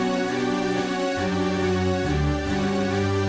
oh kamu mau ke cidahu